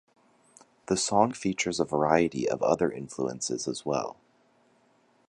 The song features a variety of other influences as well.